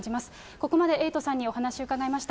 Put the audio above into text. ここまでエイトさんにお話伺いました。